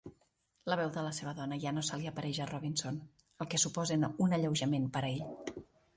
La veu de la seva dona ja no se li apareix a Robinson, el que suposa un alleujament per a ell.